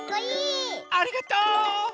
ありがとう！